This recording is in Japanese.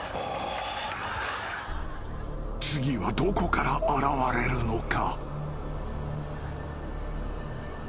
［次はどこから現れるのか？］